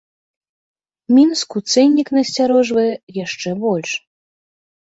Мінску цэннік насцярожвае яшчэ больш.